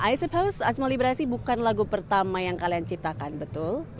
i suppose asma liberasi bukan lagu pertama yang kalian ciptakan betul